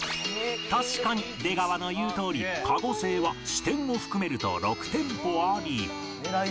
確かに出川の言うとおり籠は支店を含めると６店舗あり